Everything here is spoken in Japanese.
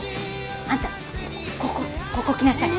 あんたここここ来なさい。